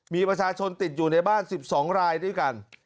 มีประชาชนติดอยู่ในบ้าน๑๒รายด้วยกัน